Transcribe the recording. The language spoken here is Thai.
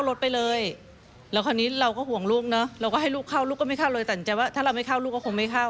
เราก็ให้ลูกเข้าลูกก็ไม่เข้าเลยแต่ในใจว่าถ้าเราไม่เข้าลูกก็คงไม่เข้า